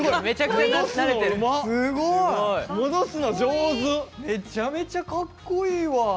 めちゃめちゃかっこいいわ。